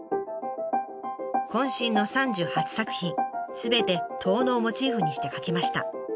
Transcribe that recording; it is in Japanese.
渾身の３８作品すべて遠野をモチーフにして描きました。